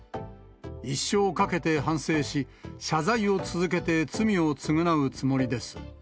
一生かけて反省し、謝罪を続けて罪を償うつもりです。